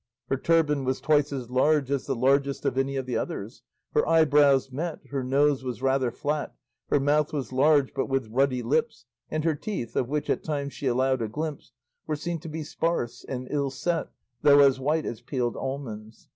Her turban was twice as large as the largest of any of the others; her eyebrows met, her nose was rather flat, her mouth was large but with ruddy lips, and her teeth, of which at times she allowed a glimpse, were seen to be sparse and ill set, though as white as peeled almonds.